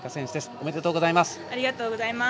ありがとうございます。